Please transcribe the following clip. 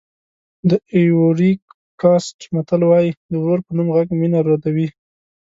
د ایوُري کوسټ متل وایي د ورور په نوم غږ مینه ردوي.